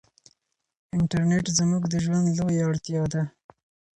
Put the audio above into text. انټرنيټ زموږ د ژوند لویه اړتیا ده.